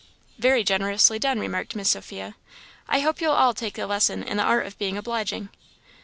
"Very generously done," remarked Miss Sophia; "I hope you'll all take a lesson in the art of being obliging."